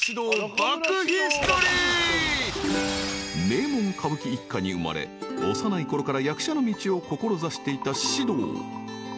［名門歌舞伎一家に生まれ幼いころから役者の道を志していた獅童］